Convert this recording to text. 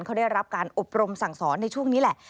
เขาได้รับการอบรมสั่งสอนในช่วงนี้แหละ